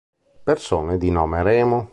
Persone di nome Remo